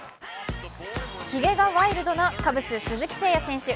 ひげがワイルドなカブス・鈴木誠也選手。